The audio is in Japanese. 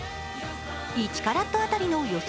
１カラット当たりの予想